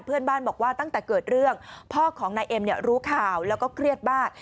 เพื่อนบ้านบอกว่าตั้งแต่เกิดเรื่องพ่อของนายเอ็มรู้ข่าวแล้วก็เครียดมาก